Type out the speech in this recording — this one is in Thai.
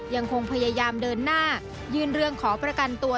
ยังคงพยายามเดินหน้ายื่นเรื่องขอประกันตัว